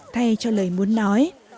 thay cho lời muốn nói